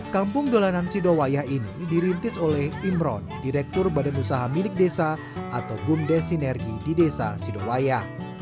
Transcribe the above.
kampung dolanan sidowayah ini dirintis oleh imron direktur badan usaha milik desa atau bumdes sinergi di desa sidowaya